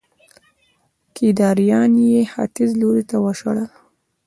کيداريان يې ختيځ لوري ته وشړل